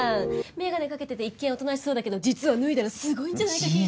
眼鏡かけてて一見おとなしそうだけど実は脱いだらすごいんじゃないか系の。